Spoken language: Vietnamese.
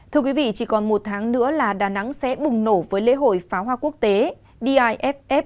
thưa quý vị chỉ còn một tháng nữa là đà nẵng sẽ bùng nổ với lễ hội phá hoa quốc tế diff hai nghìn hai mươi bốn